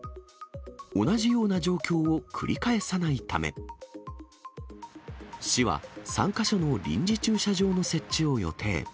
同じような状況を繰り返さないため、市は、３か所の臨時駐車場の設置を予定。